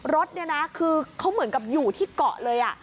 รถเนี่ยนะคือเขาเหมือนกับอยู่ที่เกาะเลย